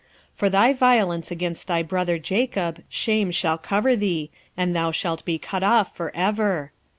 1:10 For thy violence against thy brother Jacob shame shall cover thee, and thou shalt be cut off for ever.